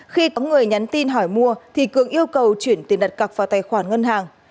khi có người nhắn tin hỏi mua thì cường yêu cầu chuyển tiền đặt cọc vào tài khoản ngân hàng